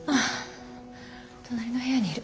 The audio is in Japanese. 隣の部屋にいる。